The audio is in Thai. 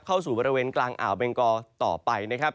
เข้าสู่บริเวณกลางอ่าวเบงกอต่อไปนะครับ